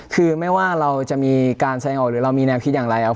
คือไม่ว่าเราจะมีการแสดงออกหรือเรามีแนวคิดอย่างไรแล้ว